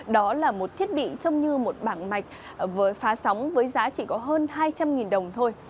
đó là một thiết bị trông như một bảng mạch phá sóng với giá chỉ có hơn hai trăm linh đồng thôi